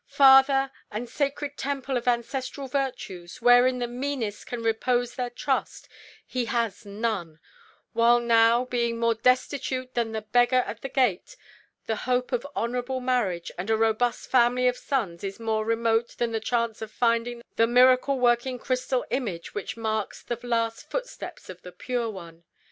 Father, and Sacred Temple of Ancestral Virtues, wherein the meanest can repose their trust, he has none; while now, being more destitute than the beggar at the gate, the hope of honourable marriage and a robust family of sons is more remote than the chance of finding the miracle working Crystal Image which marks the last footstep of the Pure One.